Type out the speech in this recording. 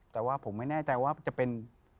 แต่ว่าผมไม่แน่ใจว่าจะเป็น